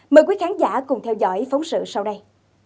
mời quý khán giả cùng theo dõi phóng sự sau đây